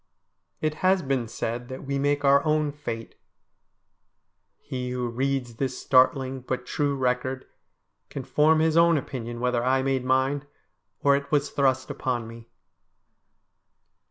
It has been said that we make our own fate. He who reads this startling, but true, record can form his own opinion whether I made mine, or it was thrust upon me.